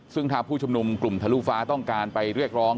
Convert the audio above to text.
ซึ่งถ้าผู้ชุมนุมกลุ่มทะลุฟ้าต้องการไปเรียกร้อง